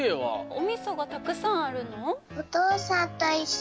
おみそがたくさんあるの？